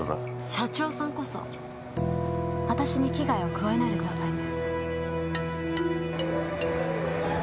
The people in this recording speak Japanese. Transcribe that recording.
社長さんこそ私に危害を加えないでくださいね。